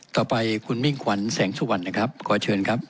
ต่อไปคุณมิ่งขวัญแสงสุวรรณนะครับขอเชิญครับ